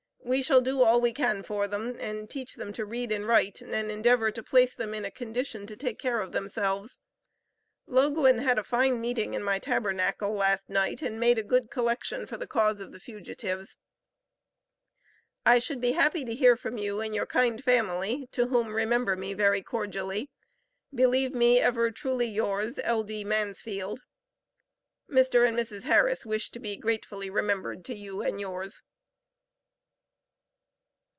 We shall do all we can for them, and teach them to read and write, and endeavor to place them in a condition to take care of themselves. Loguen had a fine meeting in my Tabernacle last night, and made a good collection for the cause of the fugitives. I should be happy to hear from you and your kind family, to whom remember me very cordially. Believe me ever truly yours, L.D. MANSFIELD. Mr. and Mrs. Harris wish to be gratefully remembered to you and yours.